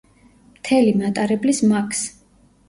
მთელი მატარებლის მაქს.